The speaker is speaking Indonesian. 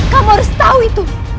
kamu harus tahu itu